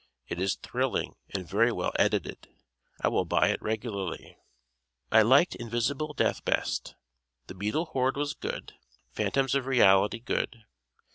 It is thrilling and very well edited. I will buy it regularly. I liked "Invisible Death" best. "The Beetle Horde" was good, "Phantoms of Reality," good.